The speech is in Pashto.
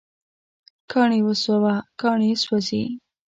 کاڼي وسوه، کاڼي سوزی